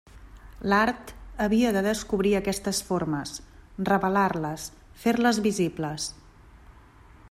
L'art havia de descobrir aquestes formes, revelar-les, fer-les visibles.